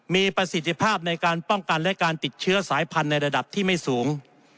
มีประสิทธิภาพในการป้องกันและการติดเชื้อสายพันธุ์ในระดับที่ไม่สูง